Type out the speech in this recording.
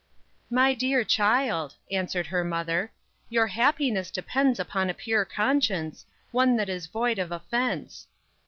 "My dear child," answered her mother, "your happiness depends upon a pure conscience, one that is void of offense.